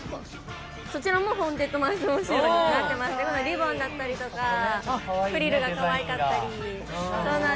こちらも「ホーンテッドマンション」仕様になってまして、リボンだったりとか、フリルがかわいかったり。